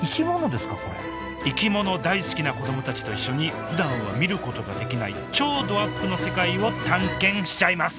これ生き物大好きな子どもたちと一緒にふだんは見ることができない超どアップの世界を探検しちゃいます！